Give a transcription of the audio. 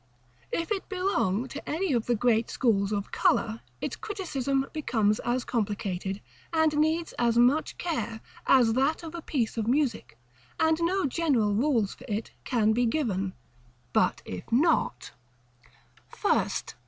If it belong to any of the great schools of color, its criticism becomes as complicated, and needs as much care, as that of a piece of music, and no general rules for it can be given; but if not § CXI. First.